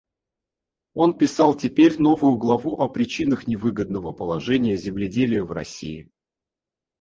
Он писал теперь новую главу о причинах невыгодного положения земледелия в России.